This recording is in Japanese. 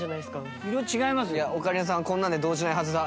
オカリナさんこんなので動じないはずだ。